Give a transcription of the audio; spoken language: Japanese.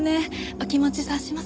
お気持ち察します。